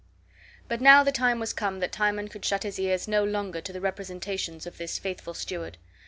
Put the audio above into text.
But now the time was come that Timon could shut his ears no longer to the representations of this faithful steward.